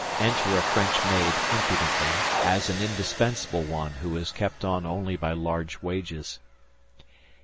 Enter a French maid, impudently, as an indispensable one who is kept on only by large wages.